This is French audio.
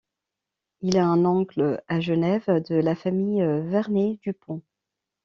Il a un oncle à Genève de la famille Vernet-Dupan.